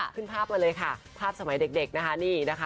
ขึ้นภาพมาเลยค่ะภาพสมัยเด็ก